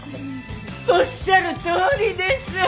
おっしゃるとおりです。